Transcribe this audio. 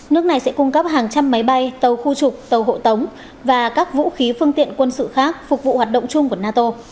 nước này sẽ cung cấp hàng trăm máy bay tàu khu trục tàu hộ tống và các vũ khí phương tiện quân sự khác phục vụ hoạt động chung của nato